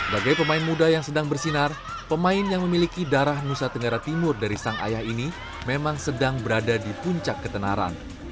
bagai pemain muda yang sedang bersinar pemain yang memiliki darah nusa tenggara timur dari sang ayah ini memang sedang berada di puncak ketenaran